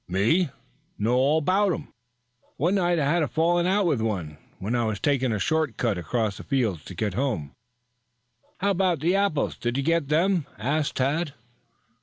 "Me? Know all 'bout them. One night I had a falling out with one, when I was taking a short cut across the fields to get home." "How about the apples? Did you get them?" asked Tad.